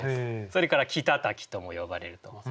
それから「木たたき」とも呼ばれると。